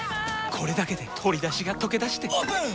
これだけで鶏だしがとけだしてオープン！